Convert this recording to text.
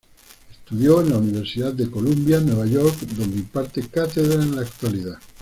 Estudió en la Universidad de Columbia, Nueva York, donde imparte cátedra en la actualidad.